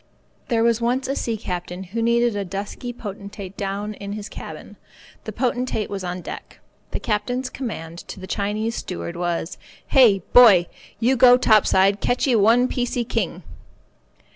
There was once a sea captain who needed a dusky potentate down in his cabin. The potentate was on deck. The captain's command to the Chinese steward was "Hey, boy, you go top side catchee one piecee king."